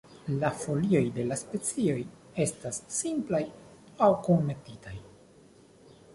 La folioj de la specioj estas simplaj aŭ kunmetitaj.